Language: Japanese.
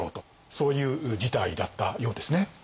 そういう事態だったようですね。